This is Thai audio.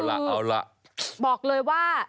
ก็คือบอกเลยว่า